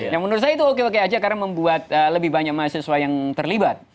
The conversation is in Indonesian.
yang menurut saya itu oke oke aja karena membuat lebih banyak mahasiswa yang terlibat